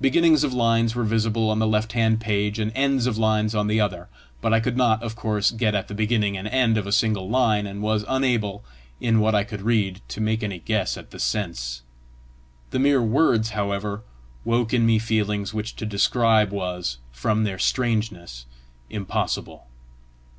Beginnings of lines were visible on the left hand page, and ends of lines on the other; but I could not, of course, get at the beginning and end of a single line, and was unable, in what I could read, to make any guess at the sense. The mere words, however, woke in me feelings which to describe was, from their strangeness, impossible.